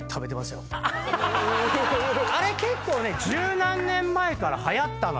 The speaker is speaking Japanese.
あれ結構ね十何年前からはやったのよ。